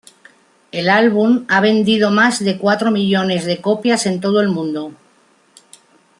El álbum ha vendido más de cuatro millones copias en todo el mundo.